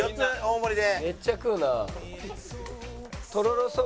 めっちゃ食うな。